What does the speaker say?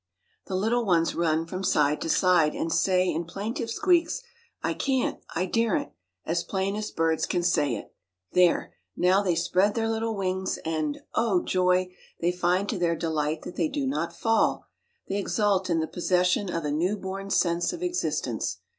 The little ones run from side to side, and say in plaintive squeaks, "I can't," "I daren't," as plain as birds can say it. There! now they spread their little wings; and oh, joy! they find to their delight that they do not fall: they exult in the possession of a new born sense of existence.